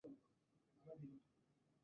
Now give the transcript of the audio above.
চাচ্চু তোমাকে ডাকছে।